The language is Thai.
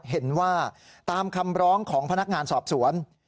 เห็นว่าตามคำร้องของพนักงานสอบสวน